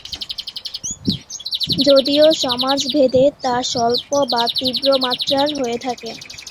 যদিও সমাজভেদে তা স্বল্প বা তীব্র মাত্রার হয়ে থাকে।